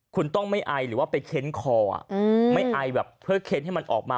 คุณต้องไม่ไอหรือว่าไปเค้นคอไม่ไอแบบเพื่อเค้นให้มันออกมา